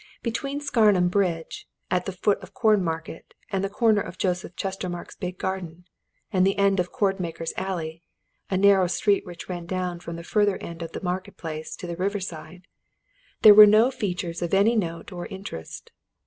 Between Scarnham Bridge, at the foot of Cornmarket and the corner of Joseph Chestermarke's big garden, and the end of Cordmaker's Alley, a narrow street which ran down from the further end of the Market Place to the river side, there were no features of any note or interest.